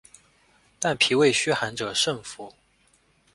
但脾胃虚寒者慎服。